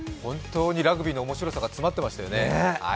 ラグビーの面白さが詰まってましたよね